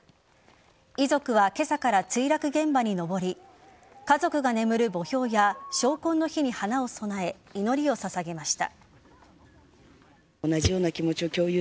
遺族は今朝から墜落現場に登り家族が眠るを墓標や昇魂之碑に花を供え祈りを捧げました。